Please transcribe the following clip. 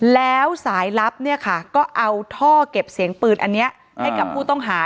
แล้วสายลับเนี่ยค่ะก็เอาท่อเก็บเสียงปืนอันนี้ให้กับผู้ต้องหา